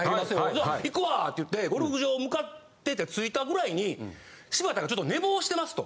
「じゃあ行くわ」って言ってゴルフ場向かってて着いたぐらいに柴田がちょっと寝坊してますと。